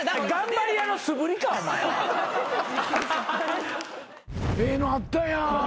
ええのあったやん。